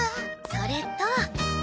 それと。